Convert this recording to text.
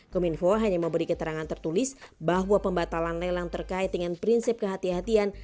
kominfo hanya memberi keterangan tertulis bahwa pembatalan lelang terkait dengan prinsip kehatian kehatian